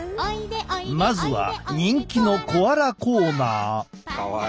まずは人気のコアラコーナー。